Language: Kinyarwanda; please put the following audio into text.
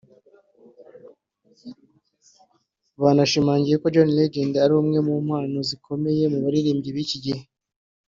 Banashimangiye ko John Legend ari umwe mu mpano zikomeye mu baririmbyi b’iki gihe